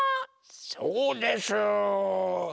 そうです！